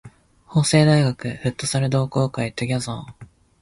法政大学フットサル同好会 together